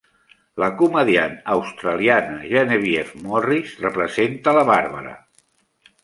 La comediant australiana Genevieve Morris representa la Barbara.